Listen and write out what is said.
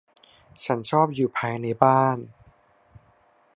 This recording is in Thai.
ฉันชอบอยู่ภายในบ้าน